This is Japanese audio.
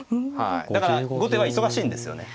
だから後手は忙しいんですよね。